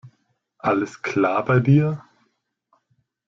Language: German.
Alles klar bei dir?